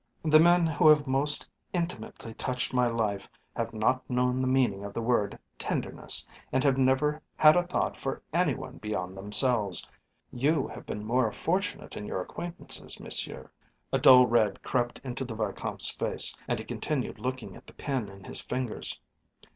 The men who have most intimately touched my life have not known the meaning of the word tenderness, and have never had a thought for any one beyond themselves. You have been more fortunate in your acquaintances, Monsieur." A dull red crept into the Vicomte's face, and he continued looking at the pen in his fingers.